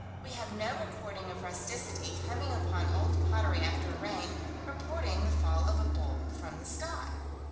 We have no record of rusticity coming upon old pottery after a rain, reporting the fall of a bowl from the sky.